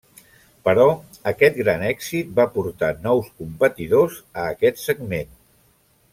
Però aquest gran èxit va portar nous competidors a aquest segment.